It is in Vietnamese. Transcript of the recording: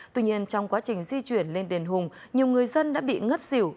tuy nhiên trong quá trình di chuyển lên đền hùng nhiều người dân đã bị ngất xỉu